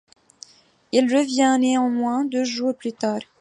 Il revient, néanmoins, deux jours plus tard.